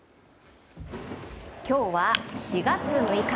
今日は４月６日。